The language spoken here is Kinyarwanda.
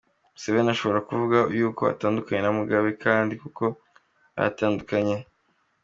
Museveni ashobora kuvuga yuko atandukanye na Mugabe, kandi koko baratandukanye.